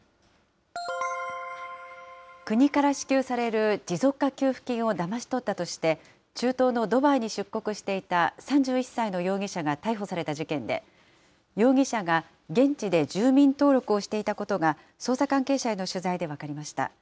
国から支給される持続化給付金をだまし取ったとして、中東のドバイに出国していた３１歳の容疑者が逮捕された事件で、容疑者が現地で住民登録をしていたことが、捜査関係者への取材で分かりました。